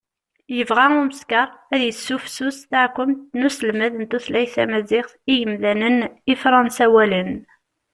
yebɣa umeskar ad yessifsus taɛekkumt n uselmed n tutlayt tamaziɣt i yimdanen ifransawalen